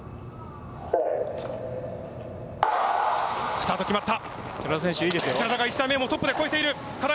スタート決まった。